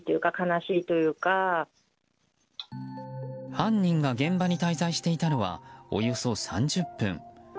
犯人が現場に滞在していたのはおよそ３０分。